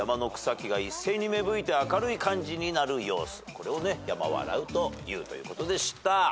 これを「山笑う」というということでした。